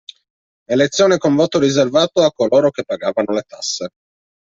Elezione con voto riservato a coloro che pagavano le tasse.